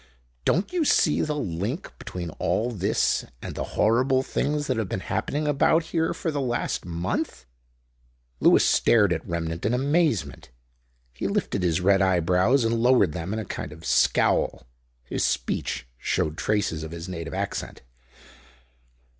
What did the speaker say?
"Don't you see the link between all this and the horrible things that have been happening about here for the last month?" Lewis stared at Remnant in amazement. He lifted his red eyebrows and lowered them in a kind of scowl. His speech showed traces of his native accent.